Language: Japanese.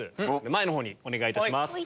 前のほうにお願いいたします。